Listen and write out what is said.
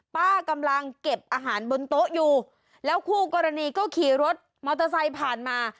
ป้ากำลังเก็บอาหารบนโต๊ะอยู่แล้วคู่กรณีก็ขี่รถมอเตอร์ไซค์ผ่านมา